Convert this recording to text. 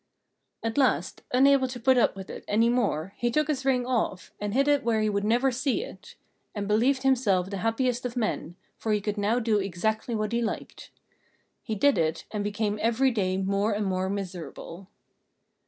At last, unable to put up with it any more, he took his ring off, and hid it where he would never see it; and believed himself the happiest of men, for he could now do exactly what he liked. He did it, and became every day more and more miserable.